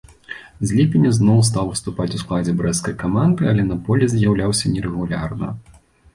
З ліпеня зноў стаў выступаць у складзе брэсцкай каманды, але на полі з'яўляўся нерэгулярна.